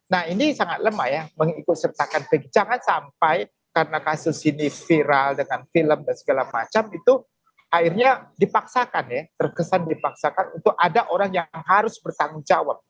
nah ini sangat lemah ya mengikut sertakan jangan sampai karena kasus ini viral dengan film dan segala macam itu akhirnya dipaksakan ya terkesan dipaksakan untuk ada orang yang harus bertanggung jawab